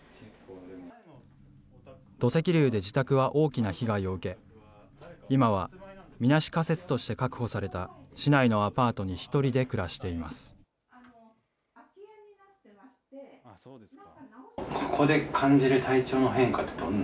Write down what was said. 土石流で自宅は大きな被害を受け、今はみなし仮設として確保された市内のアパートに１人で暮らしています。